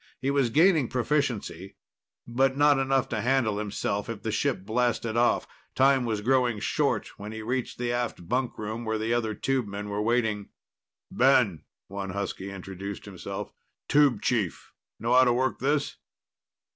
He was gaining proficiency, but not enough to handle himself if the ship blasted off. Time was growing short when he reached the aft bunkroom where the other tubemen were waiting. "Ben," one husky introduced himself. "Tube chief. Know how to work this?"